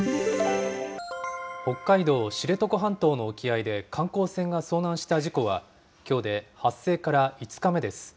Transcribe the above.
北海道知床半島の沖合で、観光船が遭難した事故は、きょうで発生から５日目です。